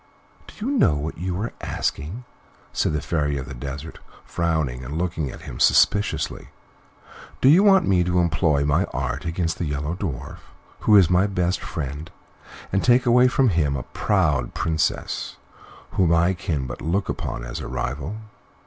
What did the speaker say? "Do you know what you are asking?" said the Fairy of the Desert, frowning, and looking at him suspiciously. "Do you want me to employ my art against the Yellow Dwarf, who is my best friend, and take away from him a proud princess whom I can but look upon as my rival?"